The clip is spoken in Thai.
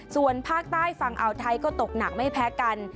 ส่วนภาคใต้ฝั่งอ่าวไทยก็ตกหนักไม่แพ้กัน